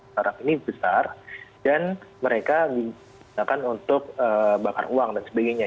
sarap ini besar dan mereka digunakan untuk bakar uang dan sebagainya